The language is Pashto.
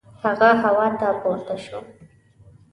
هغه هوا ته پورته شو.